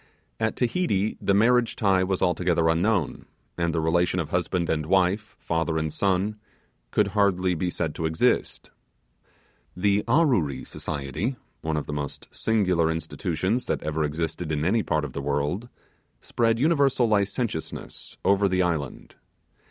At Tahiti the marriage tie was altogether unknown; and the relation of husband and wife, father and son, could hardly be said to exist. The Arreory Society one of the most singular institutions that ever existed in any part of the world spread universal licentiousness over the island.